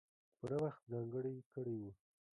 پوره وخت ځانګړی کړی وو.